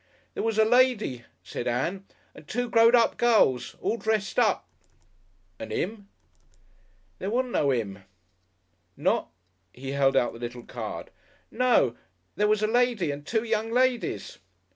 _" "There was a lady," said Ann, "and two growed up gals all dressed up!" "And 'im?" "There wasn't no 'im." "Not ?" He held out the little card. "No; there was a lady and two young ladies."